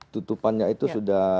tutupannya itu sudah